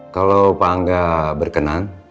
kalau pak angga berkenan